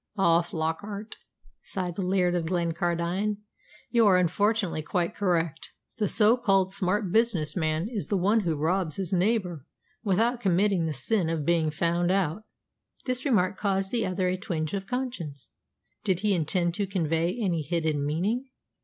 "Ah, Flockart," sighed the Laird of Glencardine, "you are unfortunately quite correct. The so called smart business man is the one who robs his neighbour without committing the sin of being found out." This remark caused the other a twinge of conscience. Did he intend to convey any hidden meaning?